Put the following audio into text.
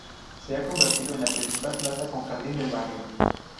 Se ha convertido en la principal plaza con jardín del barrio.